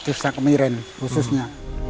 desa kemiren khususnya